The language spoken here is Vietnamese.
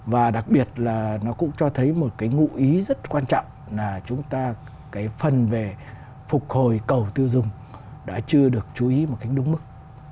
và đặc biệt là nó cũng cho thấy một cái ngụ ý rất quan trọng là chúng ta cái phần về phục hồi cầu tiêu dùng đã chưa được chú ý một cách đúng mức